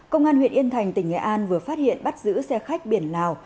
công an huyện yên thành tỉnh nghệ an vừa phát hiện bắt giữ xe khách biển lào